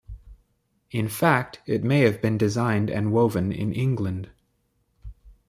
In fact, it may have been designed and woven in England.